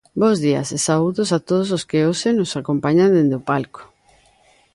Bos días e saúdos a todos os que hoxe nos acompañan dende o palco.